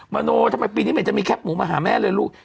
โนทำไมปีนี้เห็นจะมีแคปหมูมาหาแม่เลยลูก